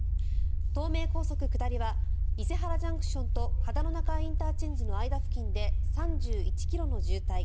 東名高速下りは伊勢原ＪＣＴと秦野中井ＩＣの間付近で３１ｋｍの渋滞。